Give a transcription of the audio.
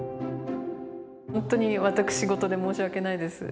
本当に私事で申し訳ないです。